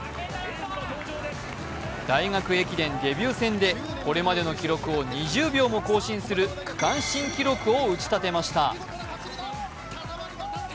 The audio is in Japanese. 大学駅伝デビュー戦でこれまでの記録を２０秒も更新する区間新記録を打ち立てました。